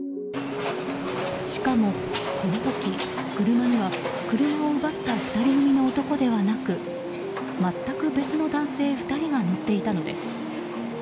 しかもこの時、車には車を奪った２人組の男ではなく全く別の男性２人が乗っていたのです。